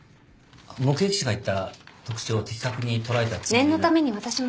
目撃者が言った特徴を的確に捉えたつもり。